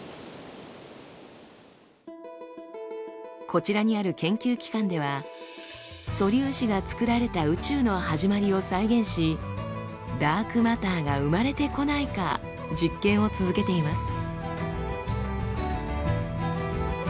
こちらにある研究機関では素粒子が作られた宇宙の始まりを再現しダークマターが生まれてこないか実験を続けています。